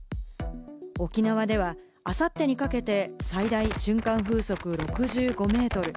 沖縄ではあさってにかけて、最大瞬間風速６５メートル。